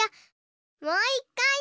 もういっかい！